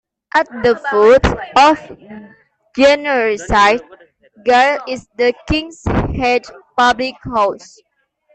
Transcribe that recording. At the foot of Gunnerside Ghyll is the Kings Head public house.